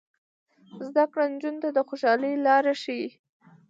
زده کړه نجونو ته د خوشحالۍ لارې ښيي.